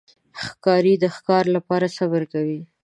ښکاري د ښکار لپاره صبر کوي.